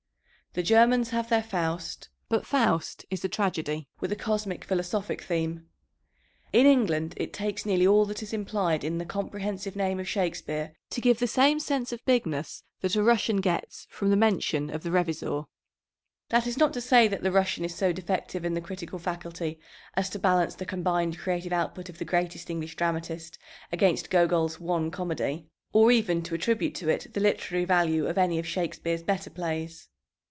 The Germans have their Faust; but Faust is a tragedy with a cosmic philosophic theme. In England it takes nearly all that is implied in the comprehensive name of Shakespeare to give the same sense of bigness that a Russian gets from the mention of the Revizor. That is not to say that the Russian is so defective in the critical faculty as to balance the combined creative output of the greatest English dramatist against Gogol's one comedy, or even to attribute to it the literary value of any of Shakespeare's better plays.